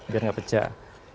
biar gak pecah